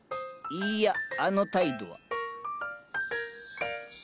いいやあの態度は。